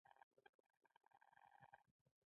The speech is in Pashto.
کرکټ په کلیو او بانډو کې کیږي.